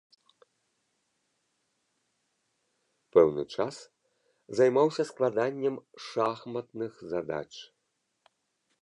Пэўны час займаўся складаннем шахматных задач.